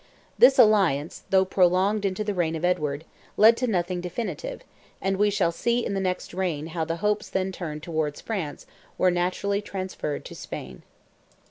This alliance, though prolonged into the reign of Edward, led to nothing definitive, and we shall see in the next reign how the hopes then turned towards France were naturally transferred to Spain.